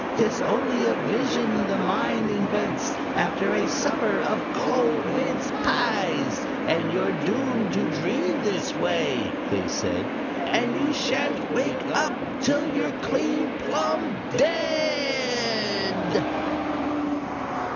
'Tis only a vision the mind invents After a supper of cold mince pies, And you're doomed to dream this way," they said, "_And you sha'n't wake up till you're clean plum dead!